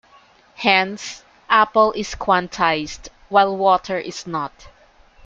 Hence, "apple" is quantized, while "water" is not.